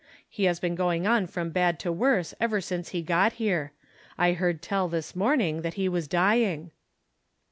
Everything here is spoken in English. He has been going on from bad to worse ever since he got here. I heard tell, this morning, that he was dying."